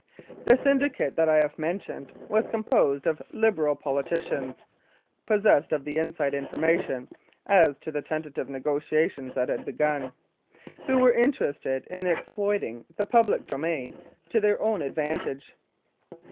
The syndicate that I have mentioned was composed of Liberal politicians (possessed of inside information as to the tentative negotiations that had then begun) who were interested in exploiting the public domain to their 126 The Passing of Calgary Barracks. 1914 own advantage.